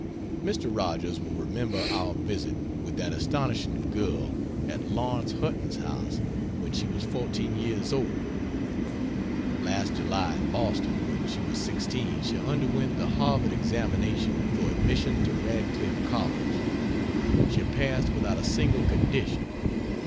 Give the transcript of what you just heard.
Mr. Rogers will remember our visit with that astonishing girl at Lawrence Hutton's house when she was fourteen years old. Last July, in Boston, when she was 16 she underwent the Harvard examination for admission to Radcliffe College. She passed without a single condition.